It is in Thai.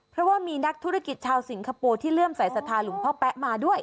เพราะว่ามีนักธุรกิจชาวสิงคโปร์ที่เลื่อมสายศรัทธาหลวงพ่อแป๊ะมาด้วย